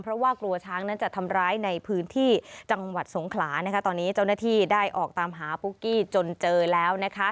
เพราะว่ากลัวช้างนั้นจะทำร้ายในพื้นที่จังหวัดสงขลาตอนนี้เจ้าหน้าที่ได้ออกตามหาปุ๊กกี้จนเจอแล้ว